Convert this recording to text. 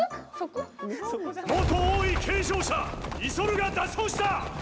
元王位継承者イ・ソルが脱走した！